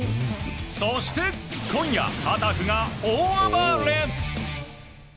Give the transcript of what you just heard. そして今夜、タタフが大暴れ！